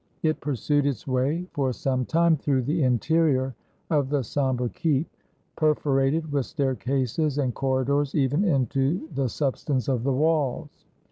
It pursued its way for some time through the interior of the somber keep, per forated with staircases and corridors even into the sub stance of the walls.